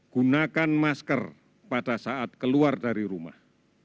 gunakan masker pada saat keluar dari rumah